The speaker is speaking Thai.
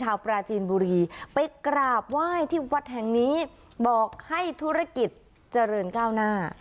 ปราจีนบุรีไปกราบไหว้ที่วัดแห่งนี้บอกให้ธุรกิจเจริญก้าวหน้า